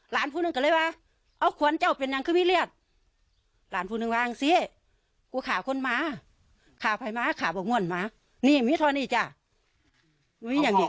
ล้างต่อเหตุนายทะวีได้หลบไปอยู่กับน้องสาว